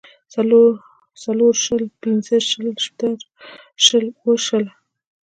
څلور شله پنځۀ شله شټږ شله اووه شله